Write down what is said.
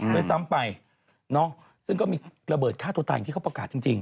ด้วยซ้ำไปซึ่งก็มีระเบิดฆ่าตัวตายอย่างที่เขาประกาศจริง